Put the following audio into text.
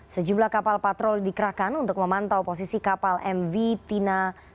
sejumlah kapal patroli dikerahkan untuk memantau posisi kapal mv tina delapan